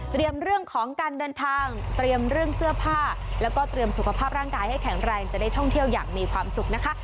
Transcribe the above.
เรื่องของการเดินทางเตรียมเรื่องเสื้อผ้าแล้วก็เตรียมสุขภาพร่างกายให้แข็งแรงจะได้ท่องเที่ยวอย่างมีความสุขนะคะ